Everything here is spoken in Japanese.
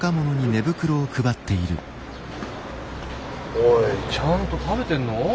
おいちゃんと食べてんの？